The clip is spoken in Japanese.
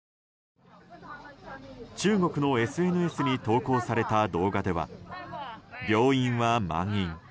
中国のＳＮＳに投稿された動画では、病院は満員。